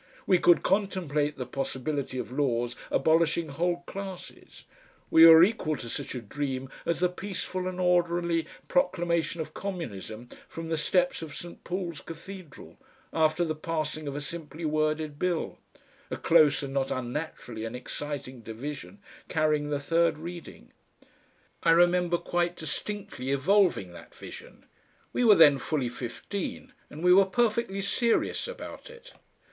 We could contemplate the possibility of laws abolishing whole classes; we were equal to such a dream as the peaceful and orderly proclamation of Communism from the steps of St. Paul's Cathedral, after the passing of a simply worded bill, a close and not unnaturally an exciting division carrying the third reading. I remember quite distinctly evolving that vision. We were then fully fifteen and we were perfectly serious about it.